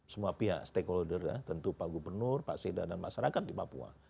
semua pihak stakeholder ya tentu pak gubernur pak seda dan masyarakat di papua